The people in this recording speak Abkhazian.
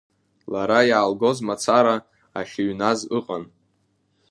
Лара иаалгоз мацара ахьыҩназ ыҟан.